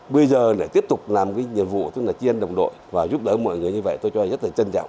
bây giờ lại tiếp tục làm cái nhiệm vụ tức là chiên đồng đội và giúp đỡ mọi người như vậy tôi cho rất là trân trọng